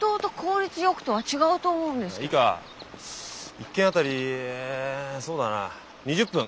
１軒あたりそうだな２０分。